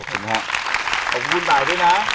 ขอบคุณบ่ายด้วยนะ